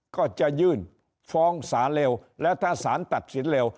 ก็จะยื่นฟ้องศาลเร็วแล้วถ้าสารตัดสินเร็ว